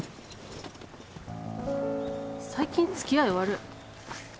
最近付き合い悪い